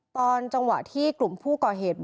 ตอนจังหวะที่กลุ่มผู้ก่อเหตุ